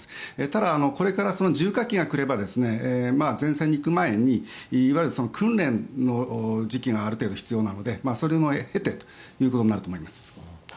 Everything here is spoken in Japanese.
ただ、これから重火器が来れば前線に行く前にいわゆる訓練の時期がある程度必要なのでそれを経て、行くと思います。